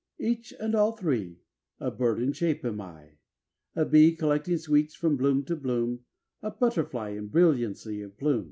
"'Each and all three—a bird in shape am I, A bee collecting sweets from bloom to bloom, A butterfly in brilliancy of plume.